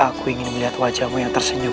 aku ingin melihat wajahmu yang tersenyum